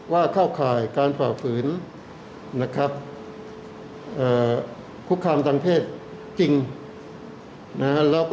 ว่าภาคขายการฝ่าฝืน๑๐๐๐นะครับ